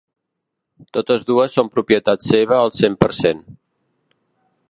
Totes dues són propietat seva al cent per cent.